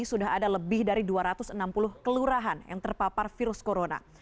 sudah ada lebih dari dua ratus enam puluh kelurahan yang terpapar virus corona